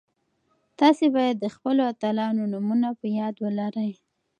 تاسي باید د خپلو اتلانو نومونه په یاد ولرئ.